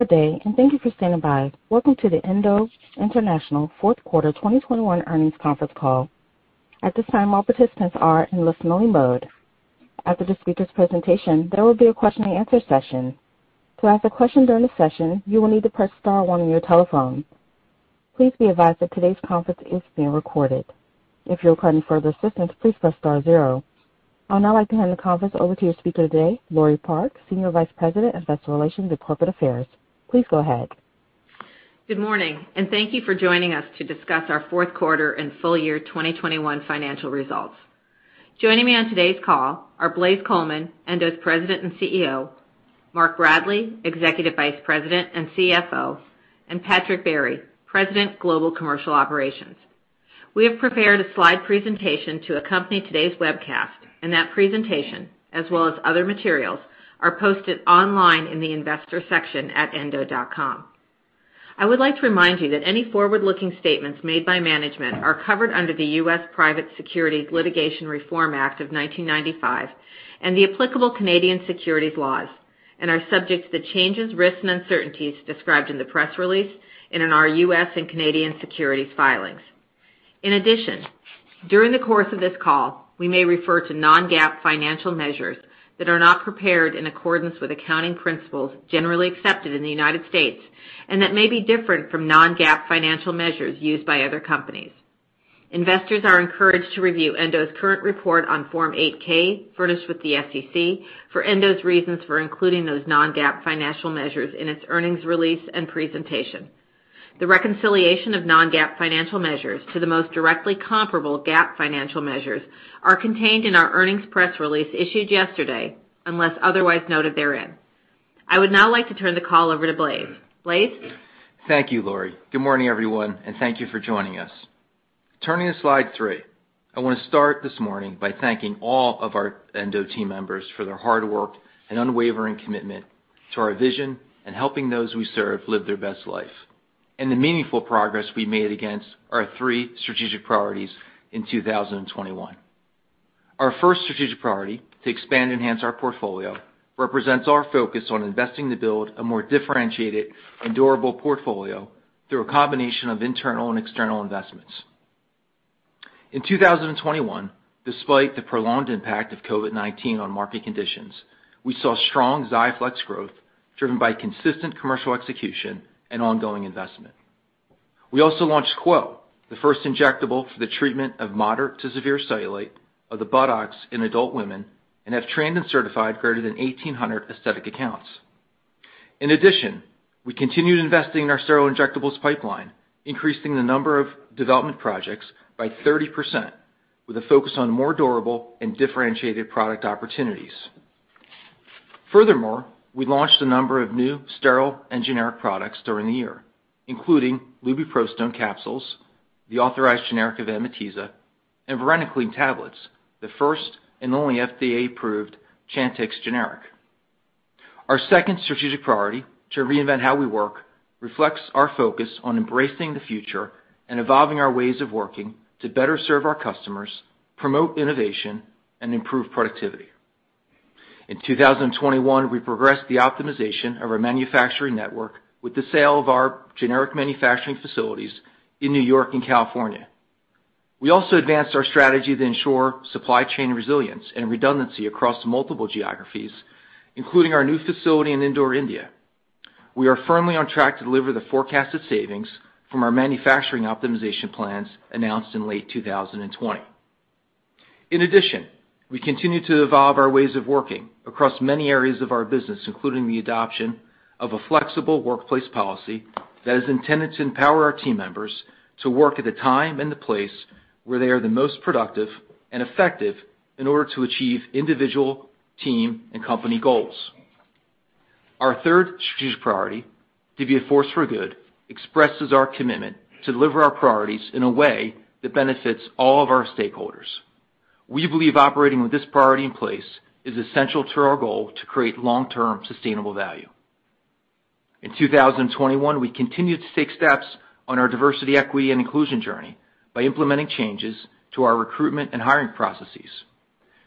Good day, and thank you for standing by. Welcome to the Endo International Fourth Quarter 2021 Earnings Conference Call. At this time, all participants are in listen-only mode. After the speakers' presentation, there will be a question-and-answer session. To ask a question during the session, you will need to press star one on your telephone. Please be advised that today's conference is being recorded. If you're requiring further assistance, please press star zero. I would now like to hand the conference over to your speaker today, Laure Park, Senior Vice President of Investor Relations and Corporate Affairs. Please go ahead. Good morning, and thank you for joining us to discuss our fourth quarter and full year 2021 financial results. Joining me on today's call are Blaise Coleman, Endo's President and CEO, Mark Bradley, Executive Vice President and CFO, and Patrick Barry, President, Global Commercial Operations. We have prepared a slide presentation to accompany today's webcast, and that presentation, as well as other materials, are posted online in the Investor section at endo.com. I would like to remind you that any forward-looking statements made by management are covered under the U.S. Private Securities Litigation Reform Act of 1995 and the applicable Canadian securities laws and are subject to the changes, risks, and uncertainties described in the press release and in our U.S. and Canadian securities filings. In addition, during the course of this call, we may refer to non-GAAP financial measures that are not prepared in accordance with accounting principles generally accepted in the United States and that may be different from non-GAAP financial measures used by other companies. Investors are encouraged to review Endo's current report on Form 8-K, furnished with the SEC, for Endo's reasons for including those non-GAAP financial measures in its earnings release and presentation. The reconciliation of non-GAAP financial measures to the most directly comparable GAAP financial measures are contained in our earnings press release issued yesterday, unless otherwise noted therein. I would now like to turn the call over to Blaise. Blaise? Thank you, Laure. Good morning, everyone, and thank you for joining us. Turning to slide three. I wanna start this morning by thanking all of our Endo team members for their hard work and unwavering commitment to our vision and helping those we serve live their best life and the meaningful progress we made against our three strategic priorities in 2021. Our first strategic priority, to expand and enhance our portfolio, represents our focus on investing to build a more differentiated enduring portfolio through a combination of internal and external investments. In 2021, despite the prolonged impact of COVID-19 on market conditions, we saw strong XIAFLEX growth, driven by consistent commercial execution and ongoing investment. We also launched Qwo, the first injectable for the treatment of moderate to severe cellulite of the buttocks in adult women and have trained and certified greater than 1,800 aesthetic accounts. In addition, we continued investing in our sterile injectables pipeline, increasing the number of development projects by 30% with a focus on more durable and differentiated product opportunities. Furthermore, we launched a number of new sterile and generic products during the year, including lubiprostone capsules, the authorized generic of AMITIZA, and varenicline tablets, the first and only FDA-approved CHANTIX generic. Our second strategic priority, to reinvent how we work, reflects our focus on embracing the future and evolving our ways of working to better serve our customers, promote innovation, and improve productivity. In 2021, we progressed the optimization of our manufacturing network with the sale of our generic manufacturing facilities in New York and California. We also advanced our strategy to ensure supply chain resilience and redundancy across multiple geographies, including our new facility in Indore, India. We are firmly on track to deliver the forecasted savings from our manufacturing optimization plans announced in late 2020. In addition, we continue to evolve our ways of working across many areas of our business, including the adoption of a flexible workplace policy that is intended to empower our team members to work at the time and the place where they are the most productive and effective in order to achieve individual, team, and company goals. Our third strategic priority, to be a force for good, expresses our commitment to deliver our priorities in a way that benefits all of our stakeholders. We believe operating with this priority in place is essential to our goal to create long-term sustainable value. In 2021, we continued to take steps on our diversity, equity, and inclusion journey by implementing changes to our recruitment and hiring processes.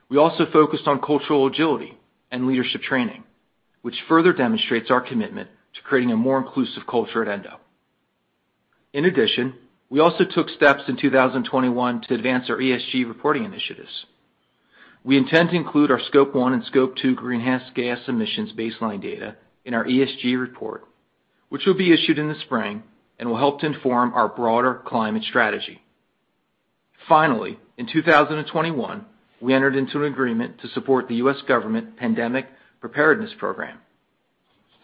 We also focused on cultural agility and leadership training, which further demonstrates our commitment to creating a more inclusive culture at Endo. In addition, we also took steps in 2021 to advance our ESG reporting initiatives. We intend to include our Scope 1 and Scope 2 greenhouse gas emissions baseline data in our ESG report, which will be issued in the spring and will help to inform our broader climate strategy. Finally, in 2021, we entered into an agreement to support the U.S. government Pandemic Preparedness Program.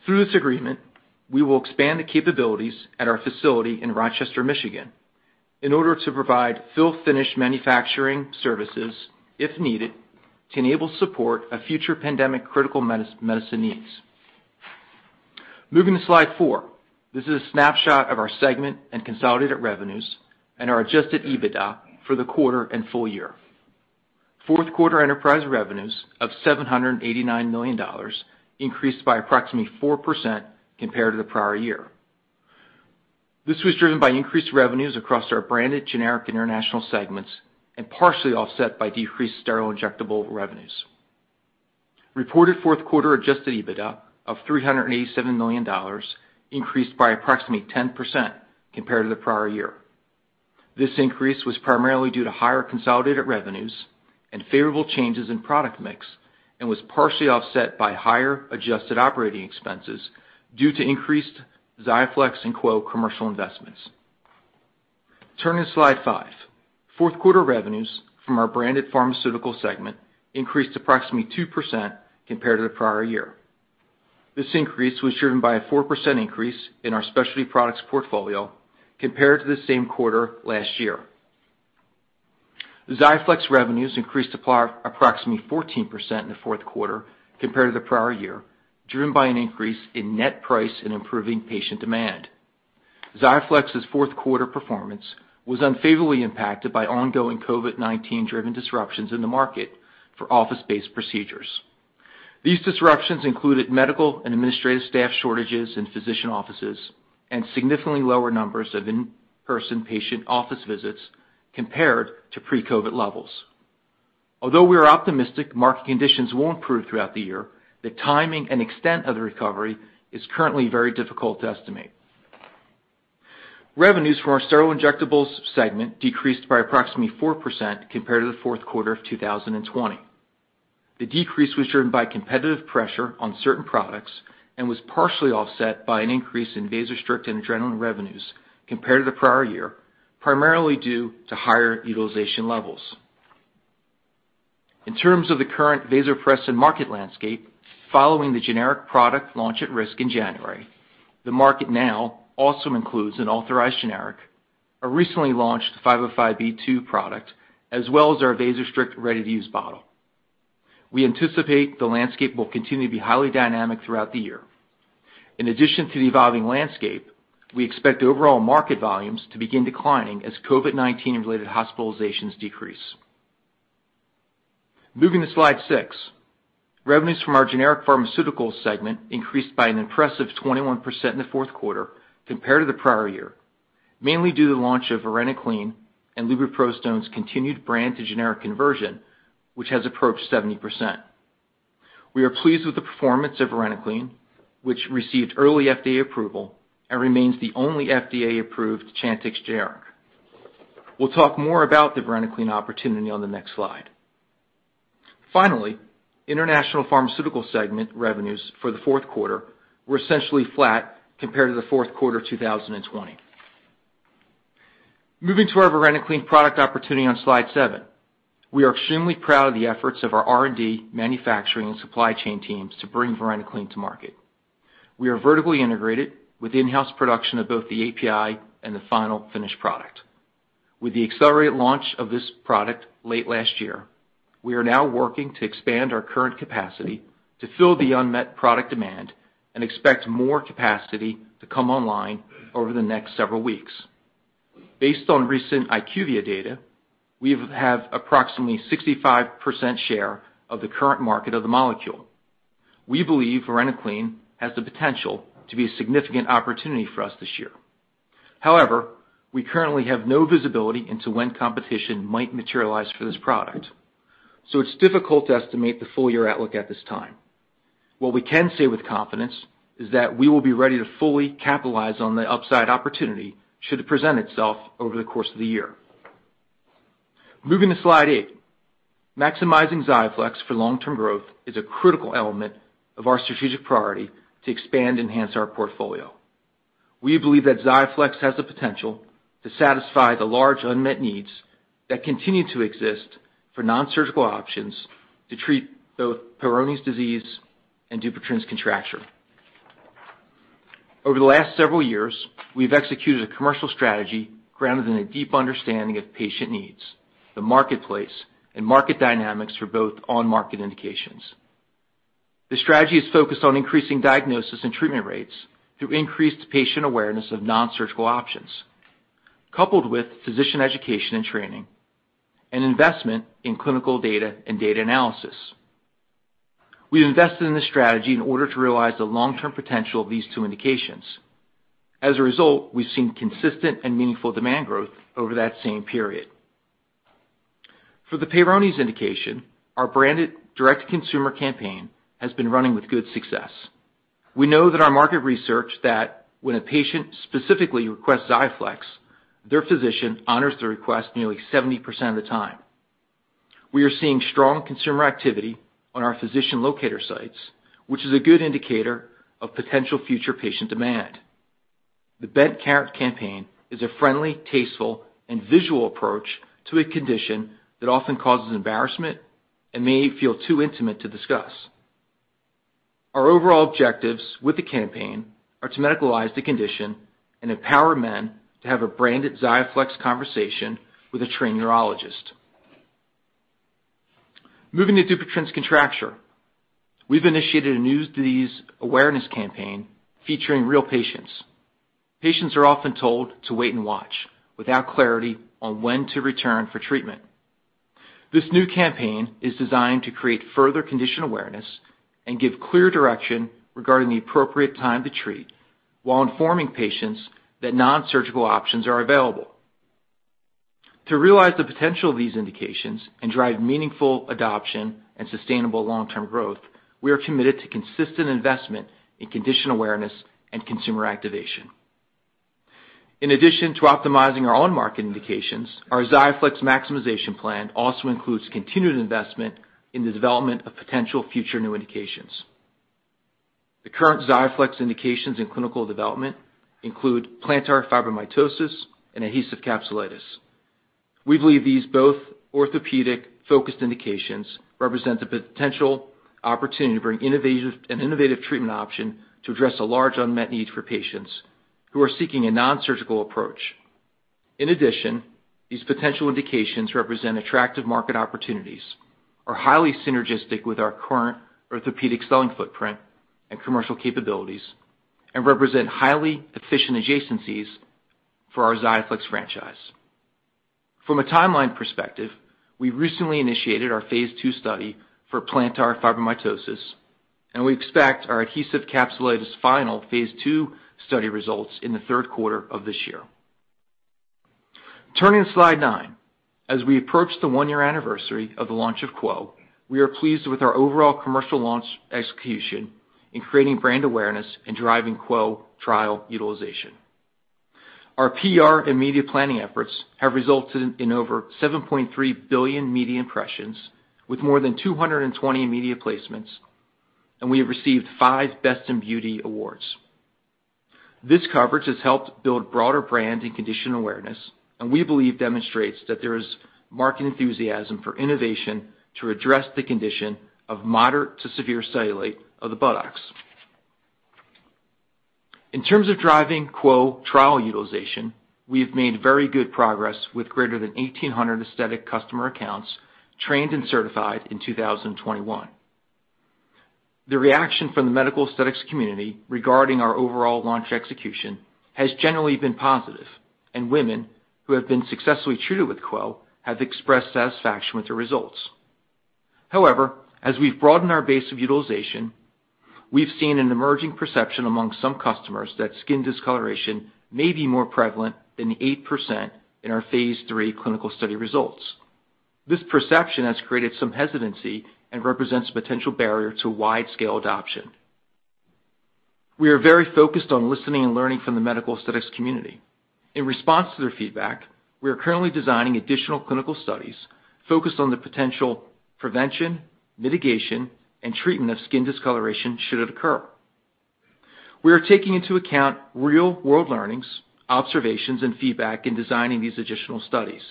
Through this agreement, we will expand the capabilities at our facility in Rochester, Michigan, in order to provide fill-finish manufacturing services, if needed, to enable support of future pandemic-critical medicine needs. Moving to slide 4. This is a snapshot of our segment and consolidated revenues and our adjusted EBITDA for the quarter and full year. Fourth quarter enterprise revenues of $789 million increased by approximately 4% compared to the prior year. This was driven by increased revenues across our branded generic international segments and partially offset by decreased sterile injectable revenues. Reported fourth quarter adjusted EBITDA of $387 million increased by approximately 10% compared to the prior year. This increase was primarily due to higher consolidated revenues and favorable changes in product mix, and was partially offset by higher adjusted operating expenses due to increased XIAFLEX and Qwo commercial investments. Turning to slide five. Fourth quarter revenues from our branded pharmaceutical segment increased approximately 2% compared to the prior year. This increase was driven by a 4% increase in our specialty products portfolio compared to the same quarter last year. XIAFLEX revenues increased approximately 14% in the fourth quarter compared to the prior year, driven by an increase in net price and improving patient demand. XIAFLEX's fourth quarter performance was unfavorably impacted by ongoing COVID-19 driven disruptions in the market for office-based procedures. These disruptions included medical and administrative staff shortages in physician offices and significantly lower numbers of in-person patient office visits compared to pre-COVID levels. Although we are optimistic market conditions will improve throughout the year, the timing and extent of the recovery is currently very difficult to estimate. Revenues for our Sterile Injectables segment decreased by approximately 4% compared to the fourth quarter of 2020. The decrease was driven by competitive pressure on certain products and was partially offset by an increase in Vasostrict and ADRENALIN revenues compared to the prior year, primarily due to higher utilization levels. In terms of the current Vasopressin market landscape, following the generic product launch at risk in January, the market now also includes an authorized generic, a recently launched 505(b)(2) product, as well as our Vasostrict ready-to-use bottle. We anticipate the landscape will continue to be highly dynamic throughout the year. In addition to the evolving landscape, we expect overall market volumes to begin declining as COVID-19 related hospitalizations decrease. Moving to slide six. Revenues from our generic pharmaceuticals segment increased by an impressive 21% in the fourth quarter compared to the prior year, mainly due to the launch of varenicline and lubiprostone's continued brand to generic conversion, which has approached 70%. We are pleased with the performance of varenicline, which received early FDA approval and remains the only FDA-approved CHANTIX generic. We'll talk more about the varenicline opportunity on the next slide. Finally, international pharmaceutical segment revenues for the fourth quarter were essentially flat compared to the fourth quarter of 2020. Moving to our varenicline product opportunity on slide 7. We are extremely proud of the efforts of our R&D manufacturing and supply chain teams to bring varenicline to market. We are vertically integrated with in-house production of both the API and the final finished product. With the accelerated launch of this product late last year, we are now working to expand our current capacity to fill the unmet product demand and expect more capacity to come online over the next several weeks. Based on recent IQVIA data, we have approximately 65% share of the current market of the molecule. We believe varenicline has the potential to be a significant opportunity for us this year. However, we currently have no visibility into when competition might materialize for this product, so it's difficult to estimate the full year outlook at this time. What we can say with confidence is that we will be ready to fully capitalize on the upside opportunity should it present itself over the course of the year. Moving to slide eight. Maximizing XIAFLEX for long-term growth is a critical element of our strategic priority to expand and enhance our portfolio. We believe that XIAFLEX has the potential to satisfy the large unmet needs that continue to exist for non-surgical options to treat both Peyronie's disease and Dupuytren's contracture. Over the last several years, we've executed a commercial strategy grounded in a deep understanding of patient needs, the marketplace, and market dynamics for both on-market indications. The strategy is focused on increasing diagnosis and treatment rates through increased patient awareness of non-surgical options, coupled with physician education and training, and investment in clinical data and data analysis. We've invested in this strategy in order to realize the long-term potential of these two indications. As a result, we've seen consistent and meaningful demand growth over that same period. For the Peyronie's indication, our branded direct consumer campaign has been running with good success. We know from our market research that when a patient specifically requests XIAFLEX, their physician honors the request nearly 70% of the time. We are seeing strong consumer activity on our physician locator sites, which is a good indicator of potential future patient demand. The Bent Carrot campaign is a friendly, tasteful, and visual approach to a condition that often causes embarrassment and may feel too intimate to discuss. Our overall objectives with the campaign are to medicalize the condition and empower men to have a branded XIAFLEX conversation with a trained urologist. Moving to Dupuytren's contracture. We've initiated a new disease awareness campaign featuring real patients. Patients are often told to wait and watch without clarity on when to return for treatment. This new campaign is designed to create further condition awareness and give clear direction regarding the appropriate time to treat, while informing patients that nonsurgical options are available. To realize the potential of these indications and drive meaningful adoption and sustainable long-term growth, we are committed to consistent investment in condition awareness and consumer activation. In addition to optimizing our own market indications, our XIAFLEX maximization plan also includes continued investment in the development of potential future new indications. The current XIAFLEX indications in clinical development include plantar fibromatosis and adhesive capsulitis. We believe these both orthopedic-focused indications represent the potential opportunity to bring an innovative treatment option to address a large unmet need for patients who are seeking a nonsurgical approach. In addition, these potential indications represent attractive market opportunities, are highly synergistic with our current orthopedic selling footprint and commercial capabilities, and represent highly efficient adjacencies for our XIAFLEX franchise. From a timeline perspective, we recently initiated our phase II study for plantar fibromatosis, and we expect our adhesive capsulitis final phase II study results in the third quarter of this year. Turning to slide nine. As we approach the one-year anniversary of the launch of Qwo, we are pleased with our overall commercial launch execution in creating brand awareness and driving Qwo trial utilization. Our PR and media planning efforts have resulted in over 7.3 billion media impressions with more than 220 media placements, and we have received five Best in Beauty awards. This coverage has helped build broader brand and condition awareness, and we believe demonstrates that there is market enthusiasm for innovation to address the condition of moderate to severe cellulite of the buttocks. In terms of driving Qwo trial utilization, we have made very good progress with greater than 1,800 aesthetic customer accounts trained and certified in 2021. The reaction from the medical aesthetics community regarding our overall launch execution has generally been positive, and women who have been successfully treated with Qwo have expressed satisfaction with the results. However, as we've broadened our base of utilization, we've seen an emerging perception among some customers that skin discoloration may be more prevalent than the 8% in our phase III clinical study results. This perception has created some hesitancy and represents a potential barrier to widescale adoption. We are very focused on listening and learning from the medical aesthetics community. In response to their feedback, we are currently designing additional clinical studies focused on the potential prevention, mitigation, and treatment of skin discoloration should it occur. We are taking into account real-world learnings, observations, and feedback in designing these additional studies.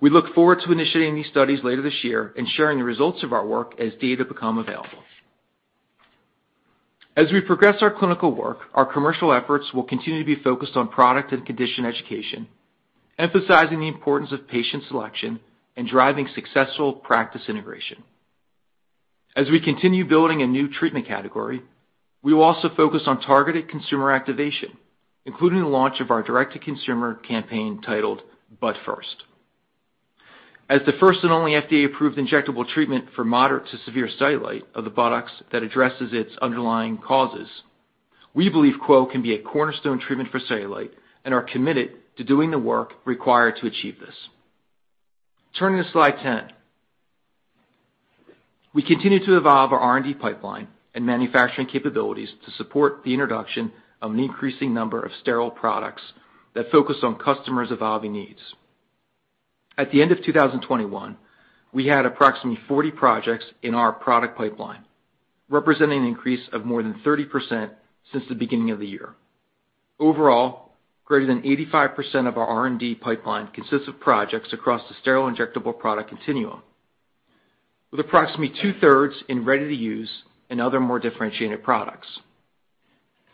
We look forward to initiating these studies later this year and sharing the results of our work as data become available. As we progress our clinical work, our commercial efforts will continue to be focused on product and condition education, emphasizing the importance of patient selection and driving successful practice integration. As we continue building a new treatment category, we will also focus on targeted consumer activation, including the launch of our direct-to-consumer campaign titled Butt First. As the first and only FDA-approved injectable treatment for moderate to severe cellulite of the buttocks that addresses its underlying causes, we believe Qwo can be a cornerstone treatment for cellulite and are committed to doing the work required to achieve this. Turning to slide 10. We continue to evolve our R&D pipeline and manufacturing capabilities to support the introduction of an increasing number of sterile products that focus on customers' evolving needs. At the end of 2021, we had approximately projects in our product pipeline, representing an increase of more than 30% since the beginning of the year. Overall, greater than 85% of our R&D pipeline consists of projects across the sterile injectable product continuum, with approximately two-thirds in ready-to-use and other more differentiated products.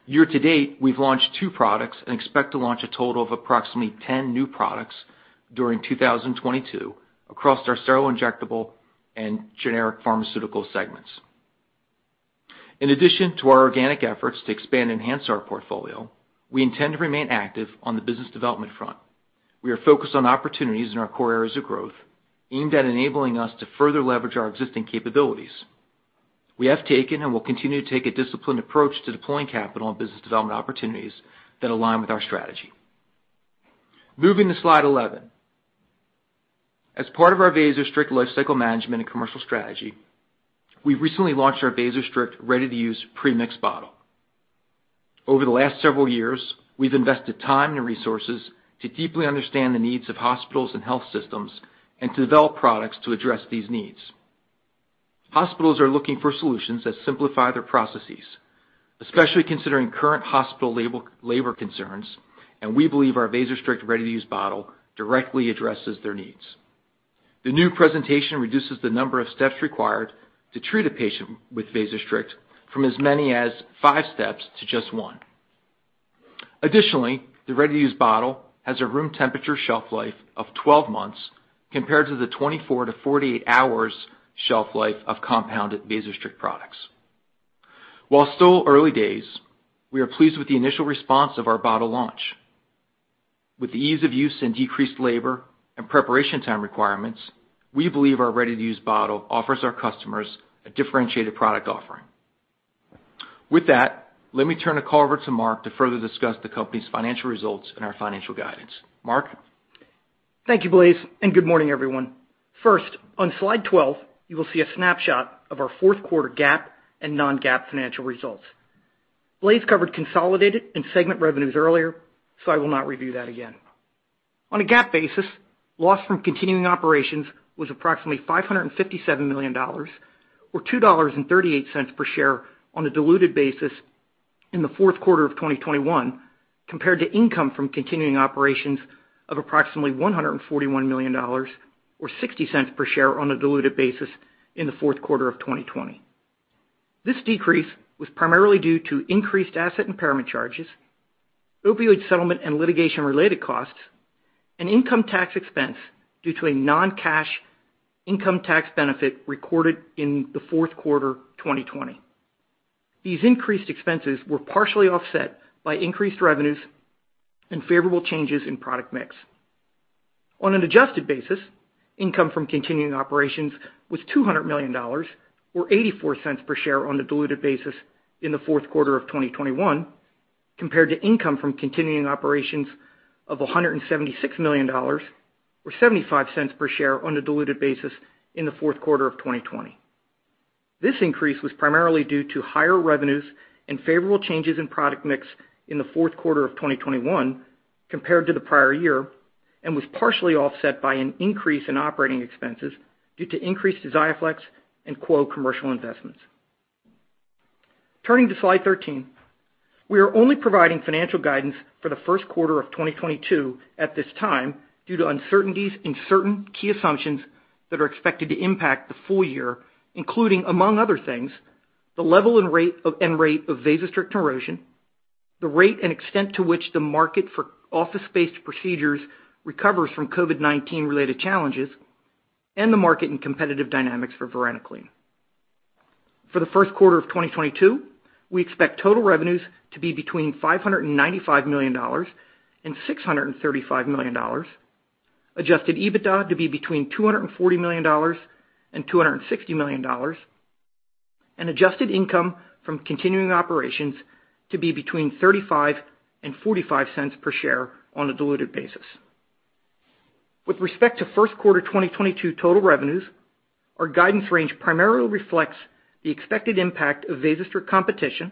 Year to date, we've launched two products and expect to launch a total of approximately 10 new products during 2022 across our sterile injectable and generic pharmaceutical segments. In addition to our organic efforts to expand and enhance our portfolio, we intend to remain active on the business development front. We are focused on opportunities in our core areas of growth aimed at enabling us to further leverage our existing capabilities. We have taken and will continue to take a disciplined approach to deploying capital and business development opportunities that align with our strategy. Moving to slide 11. As part of our Vasostrict lifecycle management and commercial strategy, we recently launched our Vasostrict ready-to-use pre-mix bottle. Over the last several years, we've invested time and resources to deeply understand the needs of hospitals and health systems and to develop products to address these needs. Hospitals are looking for solutions that simplify their processes, especially considering current hospital label-labor concerns, and we believe our Vasostrict ready-to-use bottle directly addresses their needs. The new presentation reduces the number of steps required to treat a patient with Vasostrict from as many as five steps to just one. Additionally, the ready-to-use bottle has a room temperature shelf life of 12 months compared to the 24-48 hours shelf life of compounded Vasostrict products. While still early days, we are pleased with the initial response of our bottle launch. With the ease of use and decreased labor and preparation time requirements, we believe our ready-to-use bottle offers our customers a differentiated product offering. With that, let me turn the call over to Mark to further discuss the company's financial results and our financial guidance. Mark? Thank you, Blaise, and good morning, everyone. First, on slide 12, you will see a snapshot of our fourth quarter GAAP and non-GAAP financial results. Blaise covered consolidated and segment revenues earlier, so I will not review that again. On a GAAP basis, loss from continuing operations was approximately $557 million or $2.38 per share on a diluted basis in the fourth quarter of 2021 compared to income from continuing operations of approximately $141 million or $0.60 per share on a diluted basis in the fourth quarter of 2020. This decrease was primarily due to increased asset impairment charges, opioid settlement and litigation-related costs, and income tax expense due to a non-cash income tax benefit recorded in the fourth quarter 2020. These increased expenses were partially offset by increased revenues and favorable changes in product mix. On an adjusted basis, income from continuing operations was $200 million or $0.84 per share on a diluted basis in the fourth quarter of 2021 compared to income from continuing operations of $176 million or $0.75 per share on a diluted basis in the fourth quarter of 2020. This increase was primarily due to higher revenues and favorable changes in product mix in the fourth quarter of 2021 compared to the prior year, and was partially offset by an increase in operating expenses due to increased XIAFLEX and Qwo commercial investments. Turning to slide 13. We are only providing financial guidance for the first quarter of 2022 at this time due to uncertainties in certain key assumptions that are expected to impact the full year, including among other things, the level and rate of Vasostrict erosion, the rate and extent to which the market for office-based procedures recovers from COVID-19 related challenges, and the market and competitive dynamics for varenicline. For the first quarter of 2022, we expect total revenues to be between $595 million and $635 million, adjusted EBITDA to be between $240 million and $260 million, and adjusted income from continuing operations to be between $0.35 and $0.45 per share on a diluted basis. With respect to first quarter 2022 total revenues, our guidance range primarily reflects the expected impact of Vasostrict competition,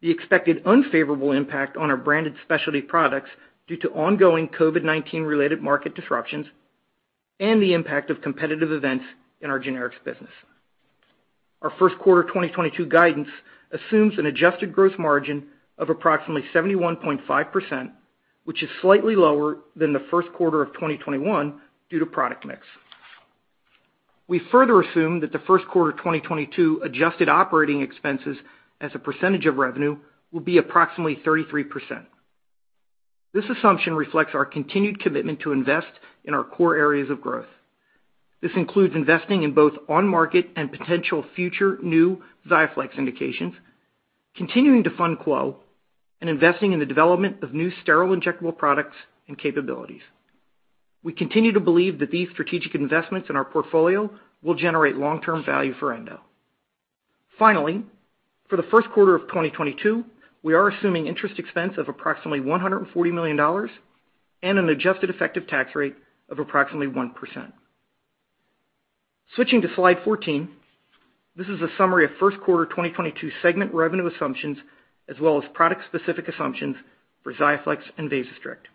the expected unfavorable impact on our branded specialty products due to ongoing COVID-19 related market disruptions, and the impact of competitive events in our generics business. Our first quarter 2022 guidance assumes an adjusted gross margin of approximately 71.5%, which is slightly lower than the first quarter of 2021 due to product mix. We further assume that the first quarter 2022 adjusted operating expenses as a percentage of revenue will be approximately 33%. This assumption reflects our continued commitment to invest in our core areas of growth. This includes investing in both on-market and potential future new XIAFLEX indications, continuing to fund Qwo, and investing in the development of new sterile injectable products and capabilities. We continue to believe that these strategic investments in our portfolio will generate long-term value for Endo. Finally, for the first quarter of 2022, we are assuming interest expense of approximately $140 million and an adjusted effective tax rate of approximately 1%. Switching to slide 14. This is a summary of first quarter 2022 segment revenue assumptions as well as product-specific assumptions for XIAFLEX and Vasostrict.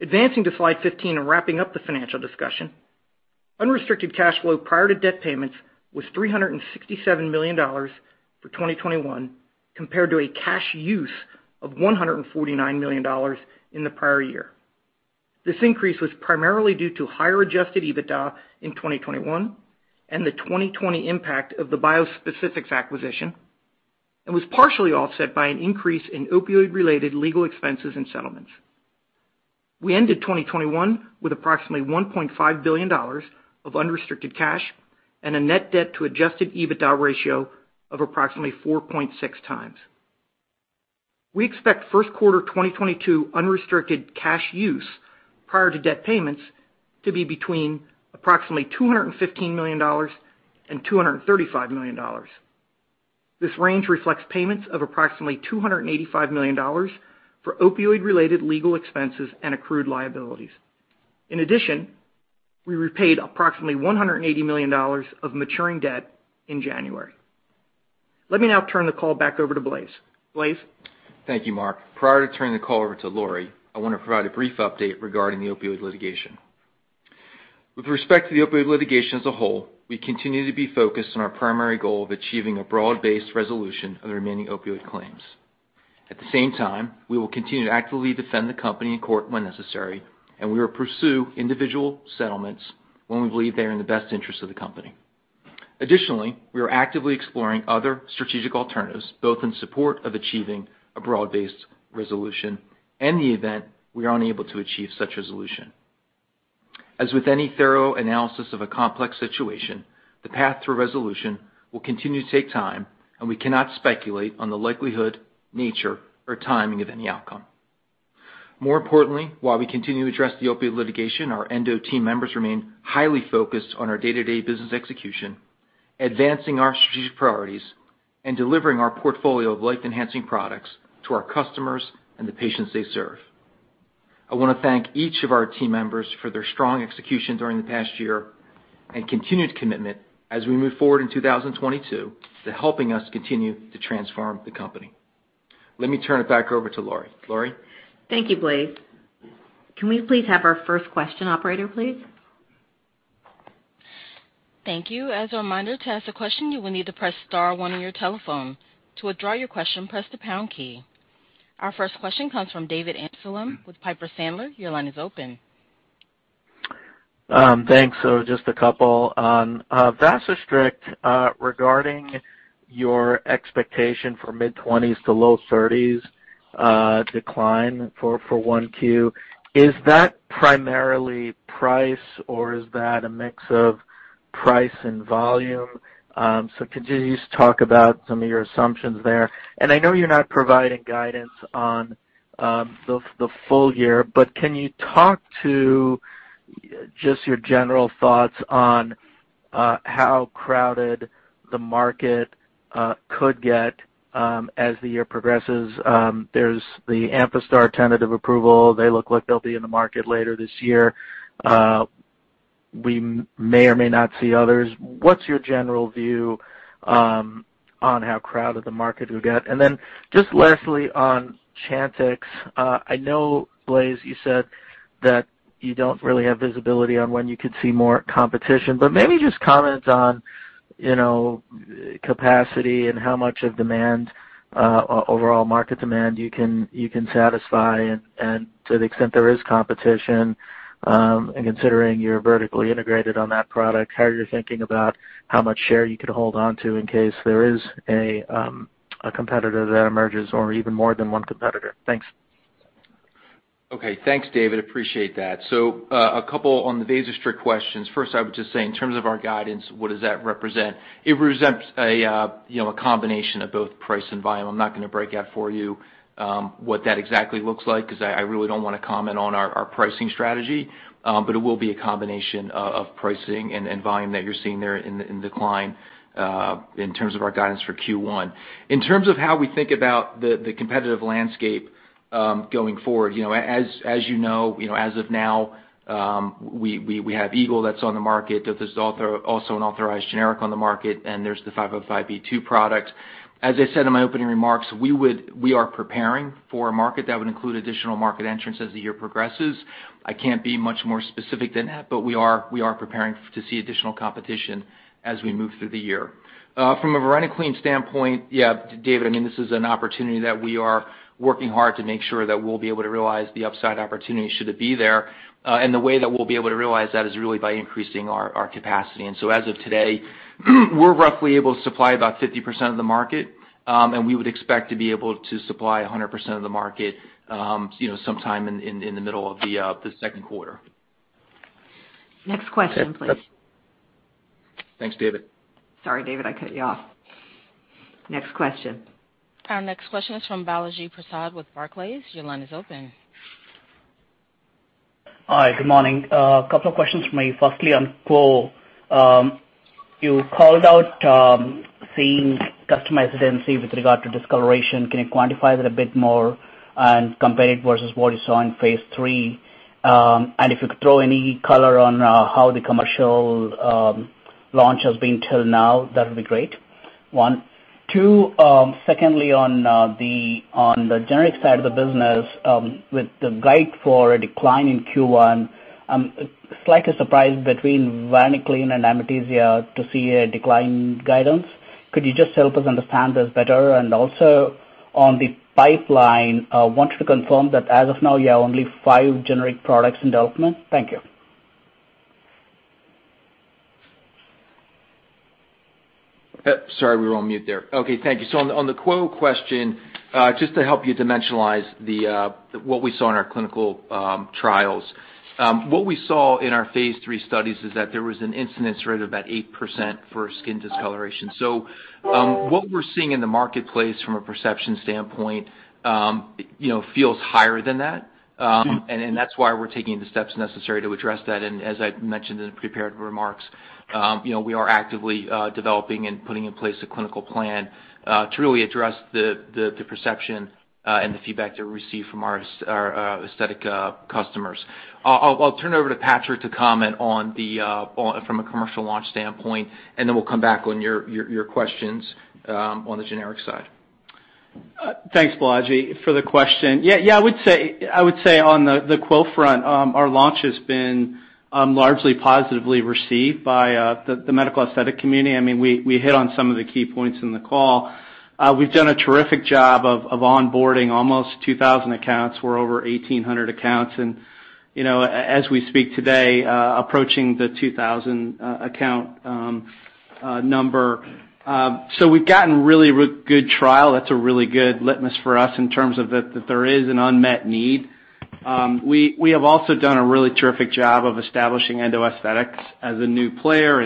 Advancing to slide 15 and wrapping up the financial discussion. Unrestricted cash flow prior to debt payments was $367 million for 2021, compared to a cash use of $149 million in the prior year. This increase was primarily due to higher adjusted EBITDA in 2021 and the 2020 impact of the BioSpecifics acquisition and was partially offset by an increase in opioid-related legal expenses and settlements. We ended 2021 with approximately $1.5 billion of unrestricted cash and a net debt to adjusted EBITDA ratio of approximately 4.6x. We expect first quarter 2022 unrestricted cash use prior to debt payments to be between approximately $215 million and $235 million. This range reflects payments of approximately $285 million for opioid-related legal expenses and accrued liabilities. In addition, we repaid approximately $180 million of maturing debt in January. Let me now turn the call back over to Blaise. Blaise? Thank you, Mark. Prior to turning the call over to Laure, I want to provide a brief update regarding the opioid litigation. With respect to the opioid litigation as a whole, we continue to be focused on our primary goal of achieving a broad-based resolution of the remaining opioid claims. At the same time, we will continue to actively defend the company in court when necessary, and we will pursue individual settlements when we believe they are in the best interest of the company. Additionally, we are actively exploring other strategic alternatives, both in support of achieving a broad-based resolution and in the event we are unable to achieve such resolution. As with any thorough analysis of a complex situation, the path to resolution will continue to take time, and we cannot speculate on the likelihood, nature, or timing of any outcome. More importantly, while we continue to address the opioid litigation, our Endo team members remain highly focused on our day-to-day business execution, advancing our strategic priorities, and delivering our portfolio of life-enhancing products to our customers and the patients they serve. I wanna thank each of our team members for their strong execution during the past year and continued commitment as we move forward in 2022 to helping us continue to transform the company. Let me turn it back over to Laure. Laure? Thank you, Blaise. Can we please have our first question, operator, please? Thank you. As a reminder, to ask a question, you will need to press star one on your telephone. To withdraw your question, press the pound key. Our first question comes from David Amsellem with Piper Sandler. Your line is open. Thanks. Just a couple. On Vasostrict, regarding your expectation for 25%-30% decline for Q1, is that primarily price, or is that a mix of price and volume? Could you just talk about some of your assumptions there? I know you're not providing guidance on the full year, but can you talk to just your general thoughts on how crowded the market could get as the year progresses? There's the Amphastar tentative approval. They look like they'll be in the market later this year. We may or may not see others. What's your general view on how crowded the market will get? Just lastly on CHANTIX, I know, Blaise, you said that you don't really have visibility on when you could see more competition, but maybe just comment on, you know, capacity and how much of demand, overall market demand you can satisfy and to the extent there is competition, and considering you're vertically integrated on that product, how you're thinking about how much share you could hold onto in case there is a competitor that emerges or even more than one competitor. Thanks. Okay, thanks, David. Appreciate that. A couple on the Vasostrict questions. First, I would just say in terms of our guidance, what does that represent? It represents a you know, a combination of both price and volume. I'm not gonna break out for you what that exactly looks like 'cause I really don't wanna comment on our pricing strategy, but it will be a combination of pricing and volume that you're seeing there in the decline in terms of our guidance for Q1. In terms of how we think about the competitive landscape going forward, you know, as you know, as of now, we have Eagle that's on the market. There's also an authorized generic on the market, and there's the 505(b)(2) product. As I said in my opening remarks, we are preparing for a market that would include additional market entrants as the year progresses. I can't be much more specific than that, but we are preparing to see additional competition as we move through the year. From a varenicline standpoint, yeah, David, I mean, this is an opportunity that we are working hard to make sure that we'll be able to realize the upside opportunity should it be there. And the way that we'll be able to realize that is really by increasing our capacity. As of today, we're roughly able to supply about 50% of the market, and we would expect to be able to supply 100% of the market, you know, sometime in the middle of the second quarter. Next question, please. Thanks, David. Sorry, David, I cut you off. Next question. Our next question is from Balaji Prasad with Barclays. Your line is open. Hi, good morning. A couple of questions from me, firstly on Qwo. You called out seeing customer resistance with regard to discoloration. Can you quantify that a bit more and compare it versus what you saw in phase III? And if you could throw any color on how the commercial launch has been till now, that would be great, one. Two, secondly, on the generic side of the business, with the guidance for a decline in Q1, I'm slightly surprised between varenicline and AMITIZA to see a decline guidance. Could you just help us understand this better? Also on the pipeline, wanted to confirm that as of now, you have only five generic products in development. Thank you. Sorry, we were on mute there. Okay, thank you. On the Qwo question, just to help you dimensionalize what we saw in our clinical trials. What we saw in our phase III studies is that there was an incidence rate of about 8% for skin discoloration. What we're seeing in the marketplace from a perception standpoint, you know, feels higher than that. That's why we're taking the steps necessary to address that. As I mentioned in the prepared remarks, you know, we are actively developing and putting in place a clinical plan to really address the perception and the feedback that we receive from our aesthetic customers. I'll turn it over to Patrick to comment on from a commercial launch standpoint, and then we'll come back on your questions on the generic side. Thanks, Balaji, for the question. Yeah, I would say on the Qwo front, our launch has been largely positively received by the medical aesthetic community. I mean, we hit on some of the key points in the call. We've done a terrific job of onboarding almost 2000 accounts. We're over 1800 accounts and, you know, as we speak today, approaching the 2000 account number. So we've gotten really good trial. That's a really good litmus for us in terms of that there is an unmet need. We have also done a really terrific job of establishing Endo Aesthetics as a new player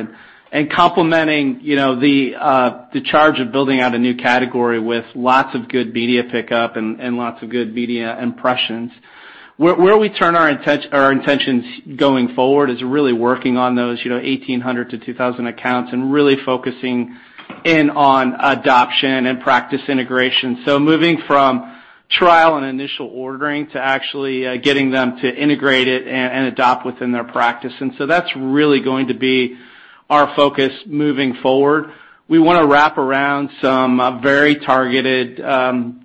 and complementing, you know, the charge of building out a new category with lots of good media pickup and lots of good media impressions. Where we turn our intentions going forward is really working on those, you know, 1,800-2,000 accounts and really focusing in on adoption and practice integration. Moving from trial and initial ordering to actually getting them to integrate it and adopt within their practice. That's really going to be our focus moving forward. We wanna wrap around some very targeted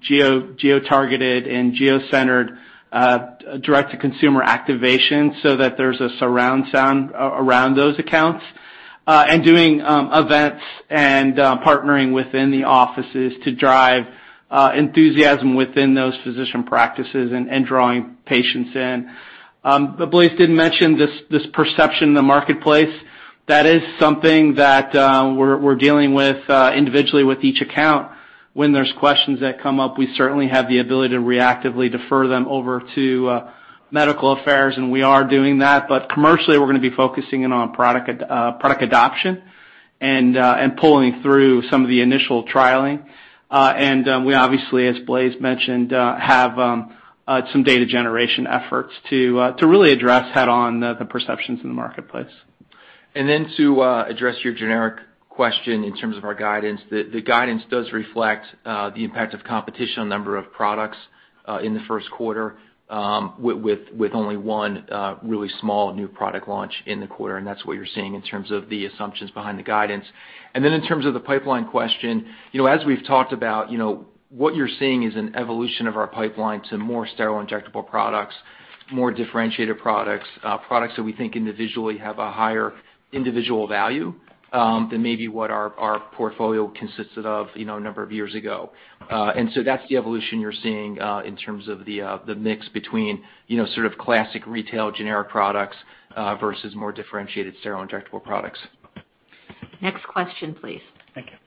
geo-targeted and geo-centered direct-to-consumer activation so that there's a surround sound around those accounts and doing events and partnering within the offices to drive enthusiasm within those physician practices and drawing patients in. Blaise did mention this perception in the marketplace. That is something that we're dealing with individually with each account. When there's questions that come up, we certainly have the ability to reactively defer them over to medical affairs, and we are doing that. Commercially, we're gonna be focusing in on product adoption and pulling through some of the initial trialing. We obviously, as Blaise mentioned, have some data generation efforts to really address head-on the perceptions in the marketplace. To address your generic question in terms of our guidance, the guidance does reflect the impact of competition on number of products in the first quarter, with only one really small new product launch in the quarter, and that's what you're seeing in terms of the assumptions behind the guidance. In terms of the pipeline question, you know, as we've talked about, you know, what you're seeing is an evolution of our pipeline to more sterile injectable products, more differentiated products that we think individually have a higher individual value than maybe what our portfolio consisted of, you know, a number of years ago. That's the evolution you're seeing in terms of the mix between, you know, sort of classic retail generic products versus more differentiated sterile injectable products. Next question, please. Thank you.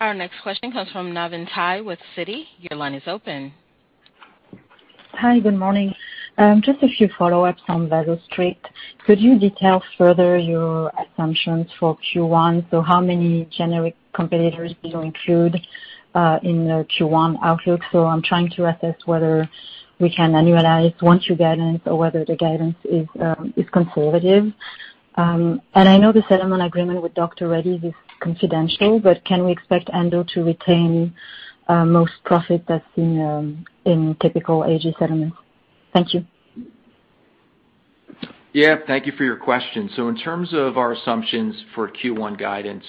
Our next question comes from Navann Ty with Citi. Your line is open. Hi. Good morning. Just a few follow-ups on Vasostrict. Could you detail further your assumptions for Q1? How many generic competitors do you include in the Q1 outlook? I'm trying to assess whether we can annualize one, two guidance or whether the guidance is conservative. I know the settlement agreement with Dr. Reddy's is confidential, but can we expect Endo to retain most profit that's in typical AG settlements? Thank you. Yeah. Thank you for your question. In terms of our assumptions for Q1 guidance,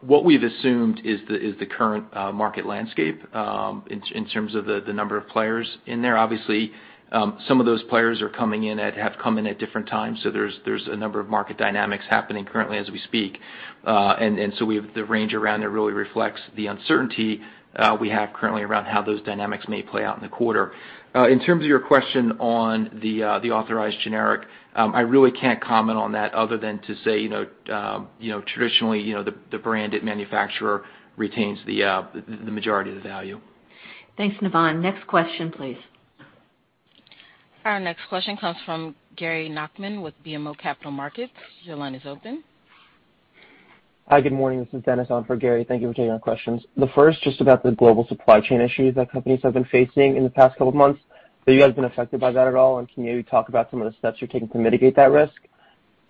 what we've assumed is the current market landscape in terms of the number of players in there. Obviously, some of those players have come in at different times, so there's a number of market dynamics happening currently as we speak. The range around it really reflects the uncertainty we have currently around how those dynamics may play out in the quarter. In terms of your question on the authorized generic, I really can't comment on that other than to say, you know, traditionally, you know, the branded manufacturer retains the majority of the value. Thanks, Navann. Next question, please. Our next question comes from Gary Nachman with BMO Capital Markets. Your line is open. Hi, good morning. This is Dennis on for Gary. Thank you for taking our questions. The first just about the global supply chain issues that companies have been facing in the past couple of months. You guys been affected by that at all? Can you talk about some of the steps you're taking to mitigate that risk?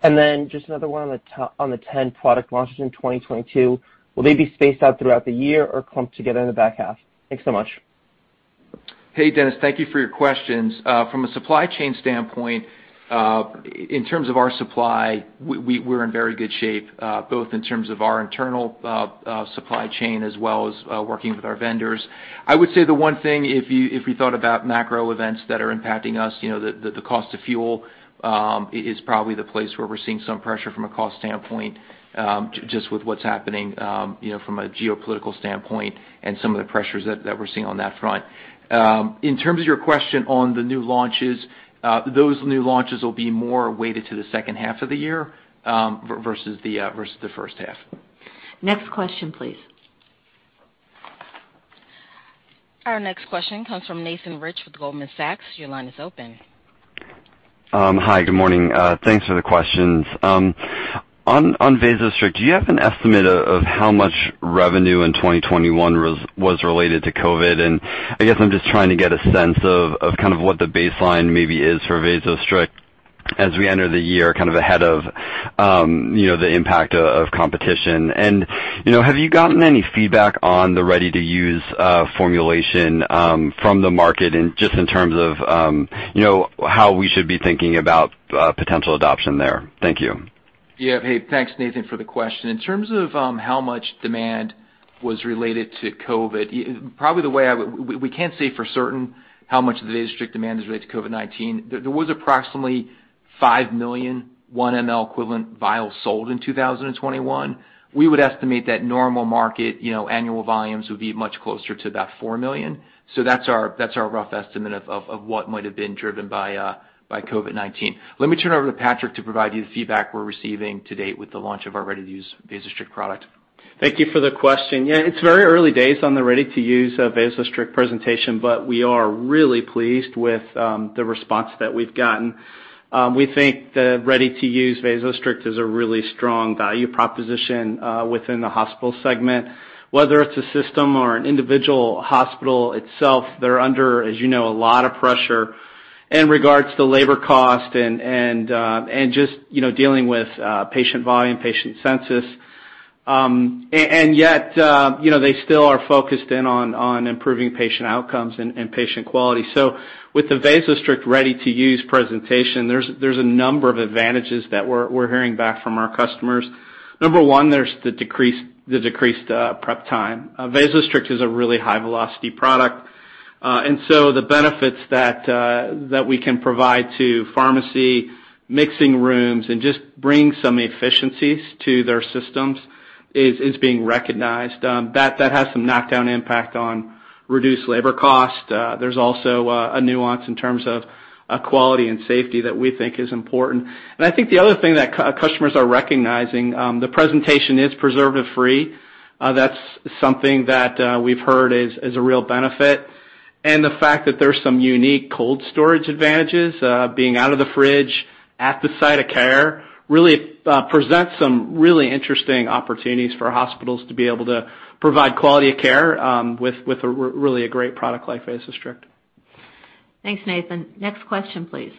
Just another one on the 10 product launches in 2022. Will they be spaced out throughout the year or clumped together in the back half? Thanks so much. Hey, Dennis. Thank you for your questions. From a supply chain standpoint, in terms of our supply, we're in very good shape, both in terms of our internal supply chain as well as working with our vendors. I would say the one thing, if you thought about macro events that are impacting us, you know, the cost of fuel is probably the place where we're seeing some pressure from a cost standpoint, just with what's happening, you know, from a geopolitical standpoint and some of the pressures that we're seeing on that front. In terms of your question on the new launches, those new launches will be more weighted to the second half of the year, versus the first half. Next question, please. Our next question comes from Nathan Rich with Goldman Sachs. Your line is open. Hi. Good morning. Thanks for the questions. On Vasostrict, do you have an estimate of how much revenue in 2021 was related to COVID? I guess I'm just trying to get a sense of kind of what the baseline maybe is for Vasostrict as we enter the year, kind of ahead of you know, the impact of competition. You know, have you gotten any feedback on the ready-to-use formulation from the market and just in terms of you know, how we should be thinking about potential adoption there? Thank you. Yeah. Hey, thanks, Nathan, for the question. In terms of how much demand was related to COVID, we can't say for certain how much of the Vasostrict demand is related to COVID-19. There was approximately 5 million 1 mL equivalent vials sold in 2021. We would estimate that normal market annual volumes would be much closer to about 4 million. That's our rough estimate of what might have been driven by COVID-19. Let me turn it over to Patrick to provide you the feedback we're receiving to date with the launch of our ready-to-use Vasostrict product. Thank you for the question. Yeah, it's very early days on the ready-to-use Vasostrict presentation, but we are really pleased with the response that we've gotten. We think the ready-to-use Vasostrict is a really strong value proposition within the hospital segment. Whether it's a system or an individual hospital itself, they're under, as you know, a lot of pressure in regards to labor cost and just you know dealing with patient volume, patient census. Yet, you know, they still are focused in on improving patient outcomes and patient quality. With the Vasostrict ready-to-use presentation, there's a number of advantages that we're hearing back from our customers. Number one, there's the decreased prep time. Vasostrict is a really high-velocity product. The benefits that we can provide to pharmacy mixing rooms and just bring some efficiencies to their systems is being recognized. That has some knockdown impact on reduced labor cost. There's also a nuance in terms of quality and safety that we think is important. I think the other thing that customers are recognizing, the presentation is preservative free. That's something that we've heard is a real benefit. The fact that there's some unique cold storage advantages, being out of the fridge at the site of care really presents some really interesting opportunities for hospitals to be able to provide quality of care with a really great product like Vasostrict. Thanks, Nathan. Next question, please.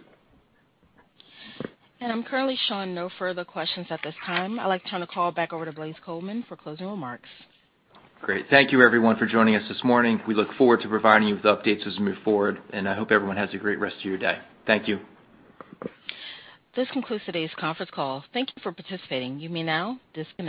I'm currently showing no further questions at this time. I'd like to turn the call back over to Blaise Coleman for closing remarks. Great. Thank you everyone for joining us this morning. We look forward to providing you with updates as we move forward, and I hope everyone has a great rest of your day. Thank you. This concludes today's conference call. Thank you for participating. You may now disconnect.